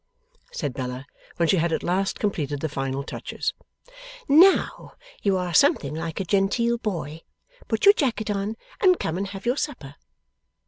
said Bella, when she had at last completed the final touches. 'Now, you are something like a genteel boy! Put your jacket on, and come and have your supper.